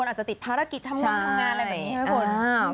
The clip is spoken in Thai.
มีภารกิจทำงานอะไรไหม